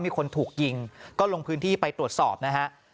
มีคนถูกยิงก็ลงพื้นที่ไปตรวจสอบนะฮะ